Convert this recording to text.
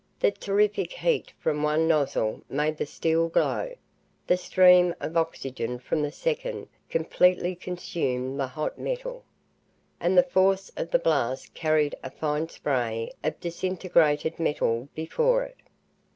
The terrific heat from one nozzle made the steel glow. The stream of oxygen from the second completely consumed the hot metal. And the force of the blast carried a fine spray of disintegrated metal before it.